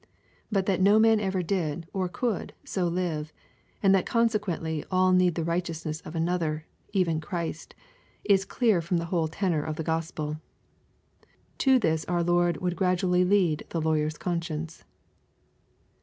But that no man ever did or could so live, and that consequently all need the righteousness of another, even Christ is clear from the whole tenor of the Gospel To this cur Lora would gradually lead the lawyer's conscience.